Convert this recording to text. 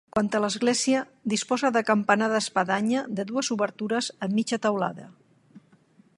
Quant a l'església, disposa de campanar d'espadanya de dues obertures a mitja teulada.